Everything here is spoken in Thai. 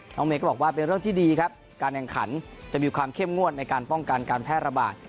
เมย์ก็บอกว่าเป็นเรื่องที่ดีครับการแข่งขันจะมีความเข้มงวดในการป้องกันการแพร่ระบาด